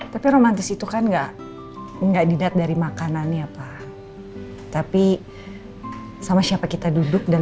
tapi romantis itu kan enggak enggak dilihat dari makanannya pak tapi sama siapa kita duduk dan